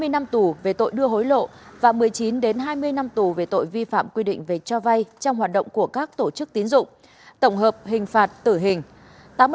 hai mươi năm tù về tội đưa hối lộ và một mươi chín hai mươi năm tù về tội vi phạm quy định về cho vay trong hoạt động của các tổ chức tín dụng tổng hợp hình phạt tử hình